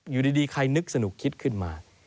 อยู่ดีใครนึกสนุกคิดขึ้นมา